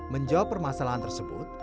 menjawab permasalahan tersebut